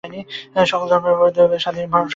সকল ধর্মের ভিতরেই এই সার্বভৌম ভাব রহিয়াছে।